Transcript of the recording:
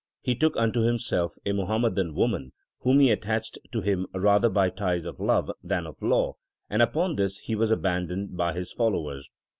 He took unto himself a Muhammadan woman, whom he attached to him rather by ties of love than of law, and upon this he was abandoned by his followers.